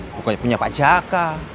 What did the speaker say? pokoknya punya pak jaka